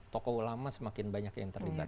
tokoh ulama semakin banyak yang terlibat